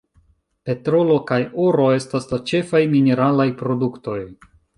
Petrolo kaj oro estas la ĉefaj mineralaj produktoj.